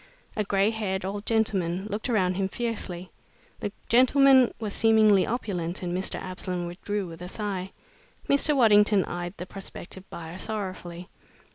A gray haired old gentleman looked around him fiercely. The gentleman was seemingly opulent and Mr. Absolom withdrew with a sigh. Mr. Waddington eyed the prospective buyer sorrowfully.